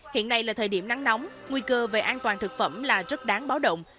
hiện nay là thời điểm nắng nóng nguy cơ về an toàn thực phẩm là rất đáng báo động